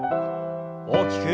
大きく。